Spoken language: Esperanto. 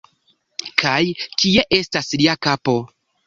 Kaj kie estas lia kapo?!